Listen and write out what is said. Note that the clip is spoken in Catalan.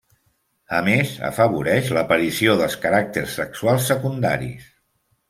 A més, afavoreix l'aparició dels caràcters sexuals secundaris.